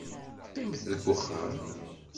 Qqimet deg uxxam.